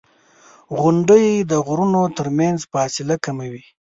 • غونډۍ د غرونو ترمنځ فاصله کموي.